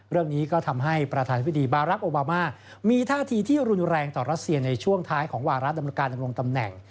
เรื่องนี้ก็ทำให้ประธานธิบดีบารักษ์โอบามามีท่าทีที่รุนแรงต่อรัสเซียในช่วงท้ายของวาระดำการดำรงตำแหน่ง